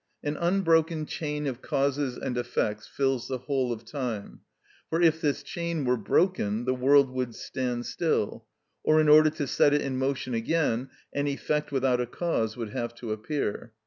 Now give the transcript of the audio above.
An unbroken chain of causes and effects fills the whole of time. (For if this chain were broken the world would stand still, or in order to set it in motion again an effect without a cause would have to appear.)